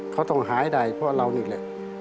เขาต้องหายใดเพราะเรานี่แหละ